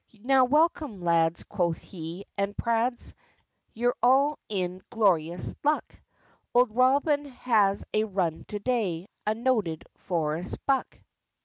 "Now welcome lads," quoth he, "and prads, You're all in glorious luck: Old Robin has a run to day, A noted forest buck.